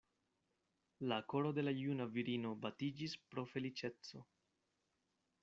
La koro de la juna virino batiĝis pro feliĉeco.